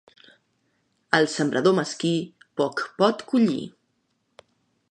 El sembrador mesquí poc pot collir.